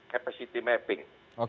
kita harus membuat mapping